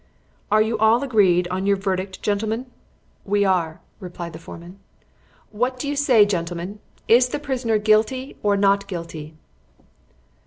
"Are you all agreed upon your verdict, gentlemen?" "We are," replied the foreman. "What do you say, gentlemen? Is the prisoner guilty or not guilty?"